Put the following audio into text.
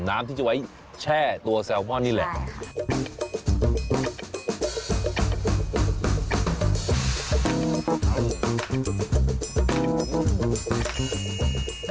น้ำที่จะไว้แช่ตัวแซลมอนนี่แหละ